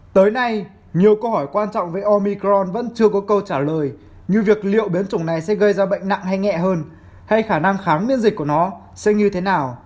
tới nay nhiều câu hỏi quan trọng với omicron vẫn chưa có câu trả lời như việc liệu biến chủng này sẽ gây ra bệnh nặng hay nhẹ hơn hay khả năng khám miễn dịch của nó sẽ như thế nào